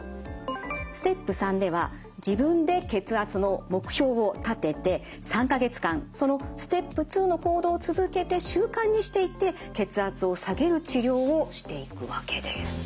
ステップ３では自分で血圧の目標を立てて３か月間そのステップ２の行動を続けて習慣にしていって血圧を下げる治療をしていくわけです。